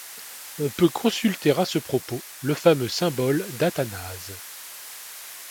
On peut consulter à ce propos le fameux symbole d'Athanase.